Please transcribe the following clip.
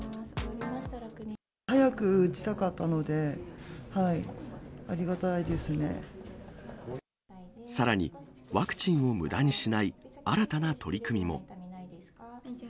早く打ちたかったので、さらに、ワクチンをむだにしない、新たな取り組みも。